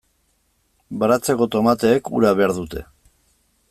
Baratzeko tomateek ura behar dute.